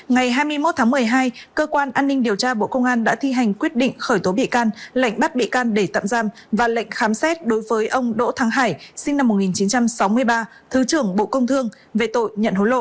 ngày hai mươi một tháng một mươi hai cơ quan an ninh điều tra bộ công an đã thi hành quyết định khởi tố bị can lệnh bắt bị can để tạm giam và lệnh khám xét đối với ông đỗ thắng hải sinh năm một nghìn chín trăm sáu mươi ba thứ trưởng bộ công thương về tội nhận hối lộ